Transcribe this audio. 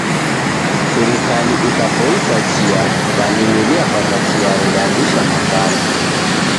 Sirikali ikapoisa chia, w'alimi wiapata chia redambisha mavalo